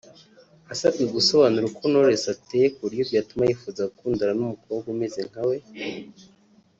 Asabwe gusobanura uko Knowless ateye kuburyo byatuma yifuza gukundana n’umukobwa umeze nkawe